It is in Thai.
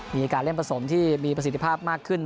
มีการเล่นผสมที่มีประสิทธิภาพมากขึ้น